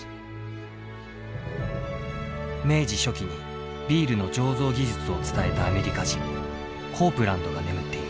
明治初期にビールの醸造技術を伝えたアメリカ人コープランドが眠っています。